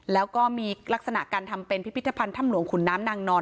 แล้วก็มีลักษณะการทำเป็นพิพิธภัณฑ์ถ้ำหลวงขุนน้ำนางนอน